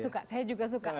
suka saya juga suka